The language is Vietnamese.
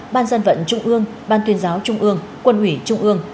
ban dân vận trung ương ban tuyên giáo trung ương quân ủy trung ương